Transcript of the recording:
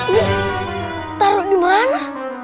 ini taruh di mana